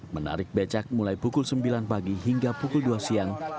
menarik becak mulai pukul sembilan pagi hingga pukul dua siang